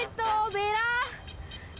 ベラ。